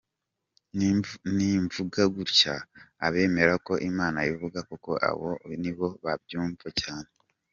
Nimvuga gutya, abemera ko Imana ivuga koko abo nibo babyumva cyane.